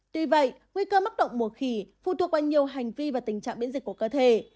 tuy vậy nguy cơ mắc động mùa khỉ phụ thuộc qua nhiều hành vi và tình trạng biến dịch của cơ thể